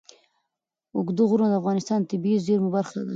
اوږده غرونه د افغانستان د طبیعي زیرمو برخه ده.